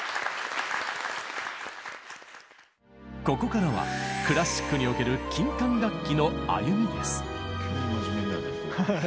ここからはクラシックにおける金管楽器の歩みです。